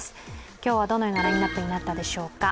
今日はどのようなラインナップになったでしょうか。